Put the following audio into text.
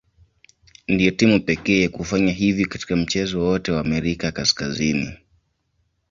Ndio timu pekee ya kufanya hivi katika mchezo wowote wa Amerika Kaskazini.